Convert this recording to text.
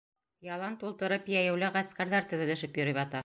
Ялан тултырып йәйәүле ғәскәрҙәр теҙелешеп йөрөп ята.